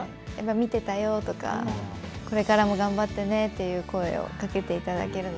見てたよとかこれからも頑張ってねという声をかけていただけるので。